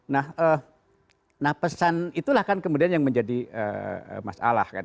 nah pesan itulah kan kemudian yang menjadi masalah kan